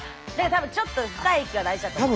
多分ちょっと深い息が大事だと思う。